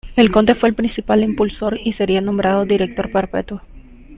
El conde fue el principal impulsor y sería nombrado director perpetuo.